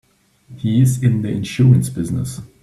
He's in the insurance business.